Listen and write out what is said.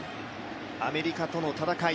アメリカとの戦い